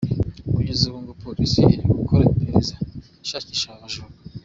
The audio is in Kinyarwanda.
Kugeza ubu ngo Police iri gukora iperereza ishakisha aba bajura.